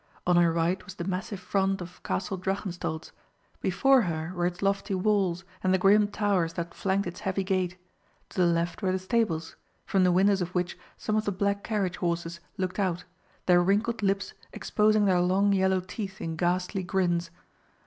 On her right was the massive front of Castle Drachenstolz; before her were its lofty walls and the grim towers that flanked its heavy gate; to the left were the stables, from the windows of which some of the black carriage horses looked out, their wrinkled lips exposing their long yellow teeth in ghastly grins.